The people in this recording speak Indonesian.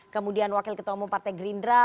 kemudian wakil ketua umum partai gerindra